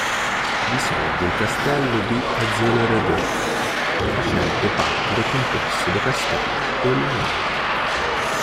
Vi sorge il Castello di Azay-le-Rideau, facente parte del complesso dei castelli della Loira.